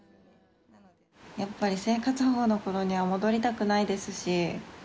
やっぱり生活保護のころには戻りたくないですし。